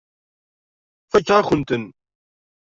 Fakeɣ-akent-ten.